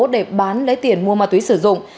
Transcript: để bán lấy tiền mua ma túy sử dụng